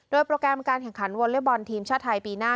โดยโปรแกรมการแข่งขันวอเล็กบอลทีมชาติไทยปีหน้า